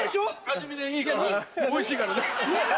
味見でいいからおいしいからね。